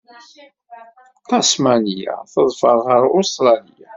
Tasmanya teḍfer ɣer Ustṛalya.